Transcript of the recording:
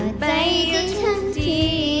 แต่ใจยังทันที